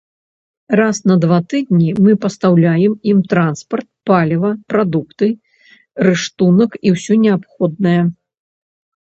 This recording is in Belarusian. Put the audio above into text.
Раз на два тыдні мы пастаўляем ім транспарт, паліва, прадукты, рыштунак і ўсё неабходнае.